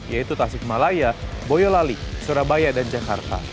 yaitu tasik malaya boyolali surabaya dan jakarta